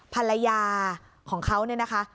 ภรรยาของเขาเนี่ยนะคะ